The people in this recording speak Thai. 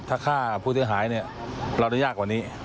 ถ้าฆ่าผู้เสียหายเนี่ยเราได้ยากกว่านี้